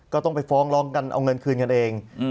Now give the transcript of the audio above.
ก็ต้องไปฟ้องร้องกันเอาเงินคืนกันเอง